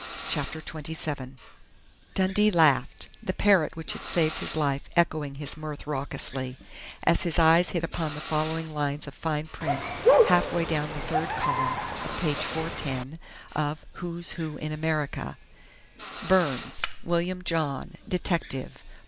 CHAPTER TWENTY SEVEN Dundee laughed, the parrot which had saved his life echoing his mirth raucously, as his eyes hit upon the following lines of fine print halfway down the third column of page 410 of "Who's Who in America": BURNS, William John, detective; b.